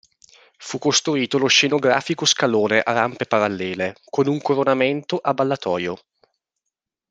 Fu costruito lo scenografico scalone a rampe parallele con un coronamento a ballatoio.